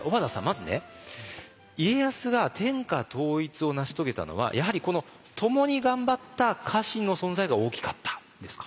まずね家康が天下統一を成し遂げたのはやはりこの「ともに」頑張った家臣の存在が大きかったですか？